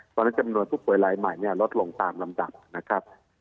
ตอนนั้นจำนวนผู้ป่วยรายหมายเนี่ยลดลงตามลำดับนะครับ